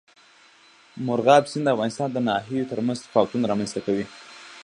مورغاب سیند د افغانستان د ناحیو ترمنځ تفاوتونه رامنځ ته کوي.